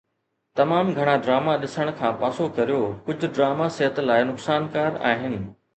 تمام گھڻا ڊراما ڏسڻ کان پاسو ڪريو ڪجھ ڊراما صحت لاءِ نقصانڪار آھن